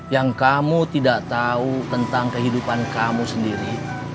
yang kamu tidak tahu tentang kehidupan kamu sendiri